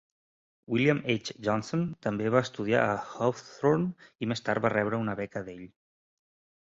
William H. Johnson també va estudiar amb Hawthorne i més tard va rebre una beca d'ell.